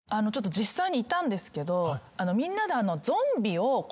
実際にいたんですけどみんなで。